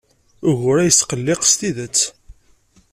Ugur-a yesqelliq s tidet.